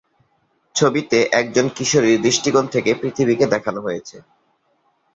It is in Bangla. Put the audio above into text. ছবিতে একজন কিশোরীর দৃষ্টিকোণ থেকে পৃথিবীকে দেখানো হয়েছে।